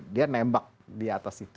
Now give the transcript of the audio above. dia nembak di atas itu